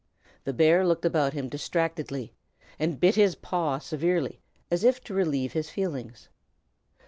The bear looked about him distractedly, and bit his paw severely, as if to relieve his feelings.